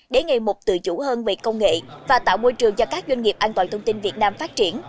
để ngày một tự chủ hơn về công nghệ và tạo môi trường cho các doanh nghiệp an toàn thông tin việt nam phát triển